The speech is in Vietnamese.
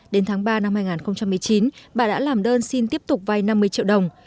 đến tháng ba năm hai nghìn một mươi chín bà đã làm đơn xin tiếp tục vay năm mươi triệu đồng